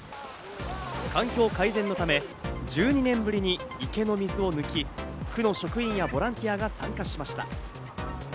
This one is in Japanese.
環境改善のため１２年ぶりに池の水を抜き、区の職員やボランティアが参加しました。